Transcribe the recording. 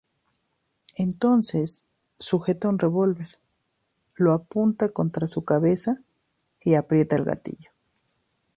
Entonces, sujeta un revolver, lo apunta contra su cabeza, y aprieta el gatillo.